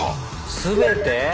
全て？